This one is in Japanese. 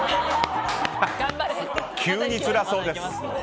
急に辛そうです。